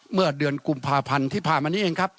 เมื่อเดือนกุมภาพันธ์ที่ผ่านมานี้เองครับ